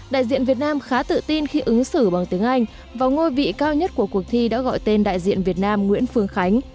đại diện việt nam khá tự tin khi ứng xử bằng tiếng anh và ngôi vị cao nhất của cuộc thi đã gọi tên đại diện việt nam nguyễn phương khánh